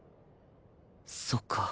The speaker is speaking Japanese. そっか。